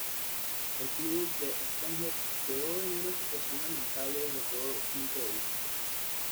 El Club The Strongest quedó en una situación lamentable desde todo punto de vista.